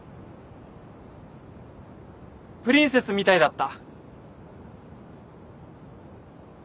プリンセスみたいだった。